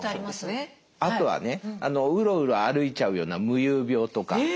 あとはねうろうろ歩いちゃうような夢遊病とか。